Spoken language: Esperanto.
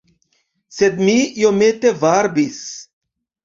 Sed mi iomete varbis.